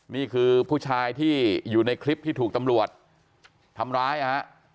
นี่คือผู้ชายที่อยู่ในคลิปที่ถูกตำรวจทำร้ายนะฮะ